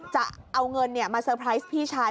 จะเอาเงินเนี้ยมาสเฟย์ไพร้สพี่ชาย